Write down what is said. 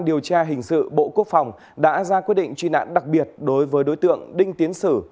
điều tra hình sự bộ quốc phòng đã ra quyết định truy nạn đặc biệt đối với đối tượng đinh tiến sử